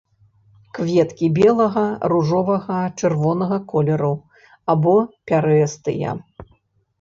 Кветкі белага, ружовага, чырвонага колеру або пярэстыя.